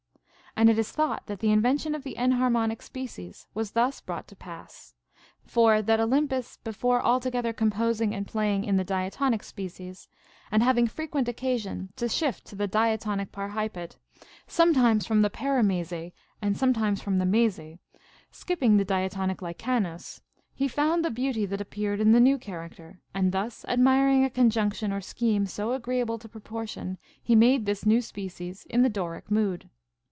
And it is thought that the invention of the enharmonic species was thus brought CONCERNING MUSIC. Ill to pass:* for that Olympus before altogether composing and playing in the diatonic species, and having frequent occa sion to shift to the diatonic parhypate, sometimes from the paramese and sometimes from the mese, skipping the dia tonic lichanos, he found the beauty that appeared in the new character ; and thus, admiriuij a conjunction or scheme so agreeable to proportion, he made this new species in the Doric mood.